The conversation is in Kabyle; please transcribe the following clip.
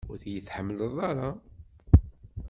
Ur iyi-tḥemmleḍ ara.